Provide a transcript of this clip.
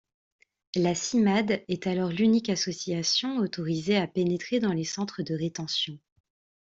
La Cimade est alors l'unique association autorisée à pénétrer dans les centres de rétention.